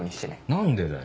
何でだよ？